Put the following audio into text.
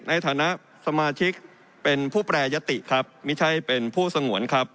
ในฐานะสมาชิกเป็นผู้แปรยติครับไม่ใช่เป็นผู้สงวนครับ